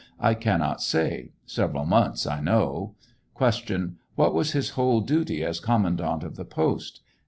I cannot say ; several months, I know. Q. What was his whole duty as commandant of the post